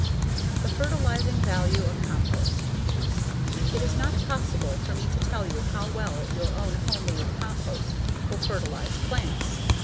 The Fertilizing Value of Compost It is not possible for me to tell you how well your own homemade compost will fertilize plants.